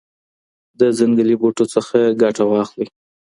د ځنګلي بوټو څخه ګټه واخلئ.